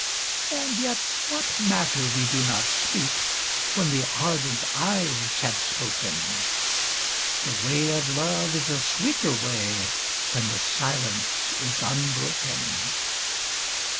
And yet what matter we do not speak, when the ardent eyes have spoken, The way of love is a sweeter way, when the silence is unbroken.